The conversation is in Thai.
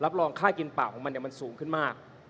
รับ่รองค่ากินป่าวมาสูงขึ้นมาก